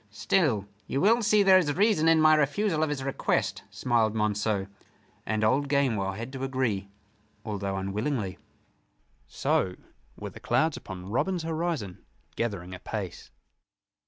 "Still you will see there is reason in my refusal of his request," smiled Monceux. And old Gamewell had to agree, although unwillingly. So were the clouds upon Robin's horizon gathering apace.